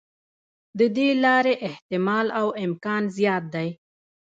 د دې لارې احتمال او امکان زیات دی.